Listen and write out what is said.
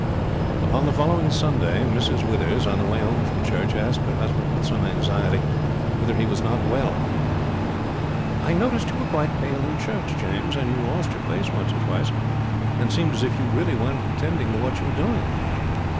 Upon the following Sunday Mrs. Withers, on the way home from church, asked her husband with some anxiety whether he was not well. "I noticed you were quite pale in church, James, and you lost your place once or twice, and seemed as if you really weren't attending to what you were doing?"